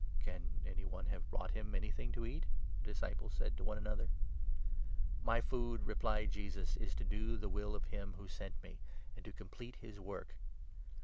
"Can any one have brought him anything to eat?" the 33 disciples said to one another. "My food," replied Jesus, "is to do the will of him who 34 sent me, and to complete his work.